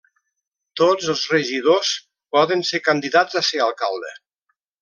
Tots els regidors poden ser candidats a ser alcalde.